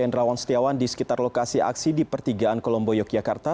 hendrawan setiawan di sekitar lokasi aksi di pertigaan kolombo yogyakarta